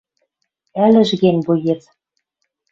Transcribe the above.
Ӹлӹж кен боец.